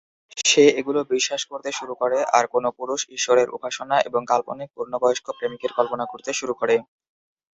সে এগুলো বিশ্বাস করতে শুরু করে আর, কোনো পুরুষ ঈশ্বরের উপাসনা এবং কাল্পনিক পূর্ণ বয়স্ক প্রেমিকের কল্পনা করতে শুরু করে।